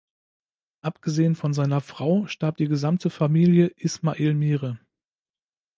Abgesehen von seiner Frau starb die gesamte Familie Ismail Mire.